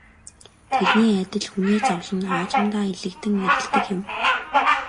Тэрний адил хүний зовлон аажимдаа элэгдэн арилдаг юм.